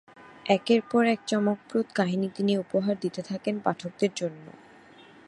একের পর এক চমকপ্রদ কাহিনী তিনি উপহার দিতে থাকেন পাঠকদের জন্য।